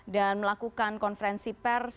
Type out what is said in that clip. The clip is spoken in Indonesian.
dan melakukan konferensi pers